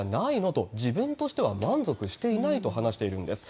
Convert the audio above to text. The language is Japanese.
と、自分としては満足していないと話しているんです。